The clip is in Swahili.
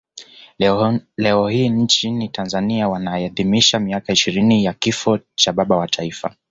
Leo hii nchini Tanzania wanaadhimisha miaka ishirini ya kifo cha baba wa taifa